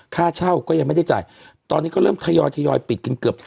ค่าเช่าก็ยังไม่ได้จ่ายตอนนี้ก็เริ่มทยอยทยอยปิดกันเกือบ